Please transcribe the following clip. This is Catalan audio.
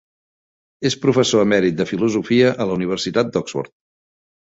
És professor emèrit de filosofia a la Universitat d'Oxford.